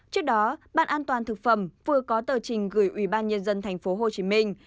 trước đó ban an toàn thực phẩm vừa có tờ trình gửi ủy ban nhân dân thành phố hồ chí minh